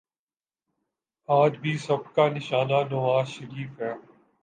آج بھی سب کا نشانہ نوازشریف ہیں۔